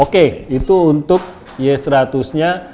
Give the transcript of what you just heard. oke itu untuk y seratus nya